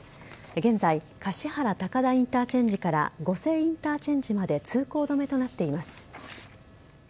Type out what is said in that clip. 現在橿原高田インターチェンジから御所インターチェンジまで通行止めとなっています。